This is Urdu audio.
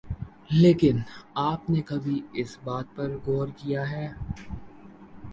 لیکن آپ نے کبھی اس بات پر غور کیا ہے